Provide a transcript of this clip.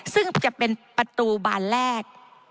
ซึ่งจะเป็นประตูบานแรก